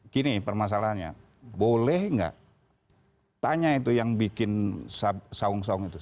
kini permasalahannya boleh nggak tanya itu yang bikin sawung sawung itu